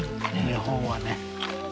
日本はね。